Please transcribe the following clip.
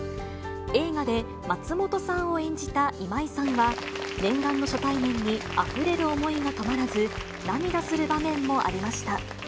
映画で松本さんを演じた今井さんは、念願の初対面にあふれる思いが止まらず、涙する場面もありました。